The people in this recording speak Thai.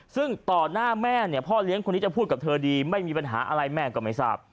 ซึ่งต่อหน้าแม่เนี่ยพ่อเลี้ยงคนนี้จะพูดกับเธอดีไม่มีปัญหาอะไรแม่ก็ไม่ทราบ